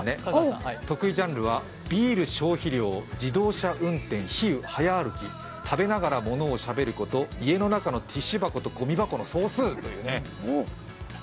得意ジャンルはビール消費量、自動車運転、比喩、早歩き、食べながらものをしゃべること、家の中のティッシュ箱とごみ箱の総数というね。